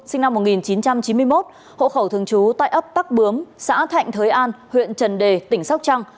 sinh năm một nghìn chín trăm chín mươi một hộ khẩu thường trú tại ấp tắc bướm xã thạnh thới an huyện trần đề tỉnh sóc trăng